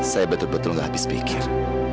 saya betul betul gak habis pikir